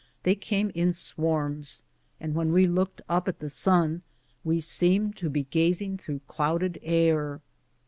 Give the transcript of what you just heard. They came in swarms, and when we looked up at the sun we seemed to be gazing through clouded air.